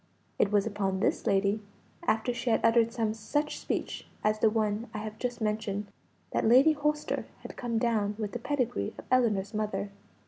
It was upon this lady, after she had uttered some such speech as the one I have just mentioned, that Lady Holster had come down with the pedigree of Ellinor's mother.